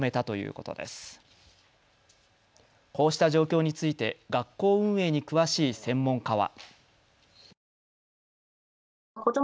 こうした状況について学校運営に詳しい専門家は。